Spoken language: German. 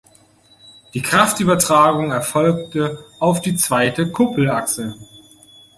Die Kraftübertragung erfolgte auf die zweite Kuppelachse.